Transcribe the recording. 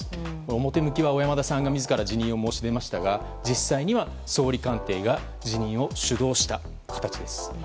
表向きは小山田さんが自ら辞任を申し出ましたが実際には総理官邸が辞任を主導した形です。